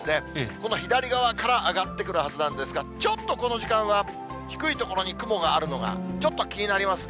この左側から上がってくるはずなんですが、ちょっとこの時間は低い所に雲があるのが、ちょっと気になりますね。